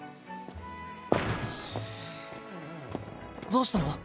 どうしたの？